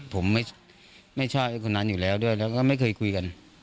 ผมไม่ชอบไอ้คนนั้นอยู่แล้วด้วยแล้วก็ไม่เคยคุยกัน